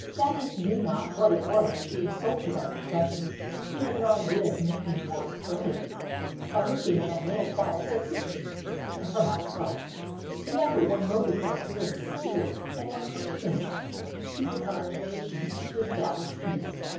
Thaddeus knew not what it was to be a soldier by profession; he had no idea of making war a trade, by which a man may acquire subsistence, and perhaps wealth; he had but one motive for appearing in the field, and one for leaving it — to repel invasion and to establish peace.